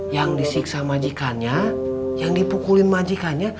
yang disiksa majikannya yang dipukulin majikan